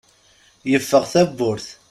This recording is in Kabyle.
Yeffeɣ tawwurt.